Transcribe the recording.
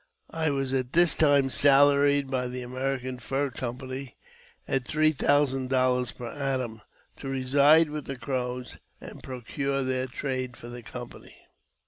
I was at this time salaried by the American Fur Company at three thousand dollars per annum, to reside with the Crows and procure their trade for the company.